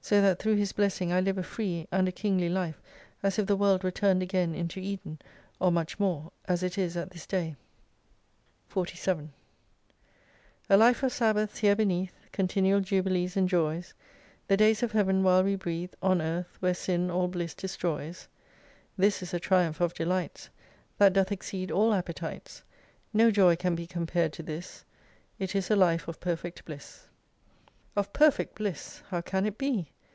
So that through His blessing I live a free and a kingly life as if the world were turned again into Eden, or much more, as it is at this day. 47 1 A life of Sabbaths here beneath ! Continual jubilees and joys ! The days of Heaven, while we breathe On Earth ! where Sin all Bliss destroys : This is a triumph of delights That doth exceed all appetites : No joy can be compared to this, It is a life of perfect Bliss. 2 Of perfect Bliss ! How can it be